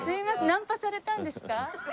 ナンパされたんですか？